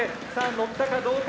乗ったかどうか。